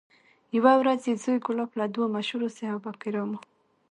یوه ورځ یې زوی کلاب له دوو مشهورو صحابه کرامو